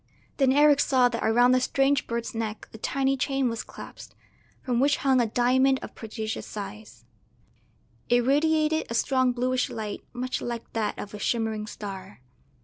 Then Eric saw that around the strange bird's neck a tiny chain was clasped, from which hung a diamond of prodigious size; it radiated a strong bluish light much like that of a shimmering star.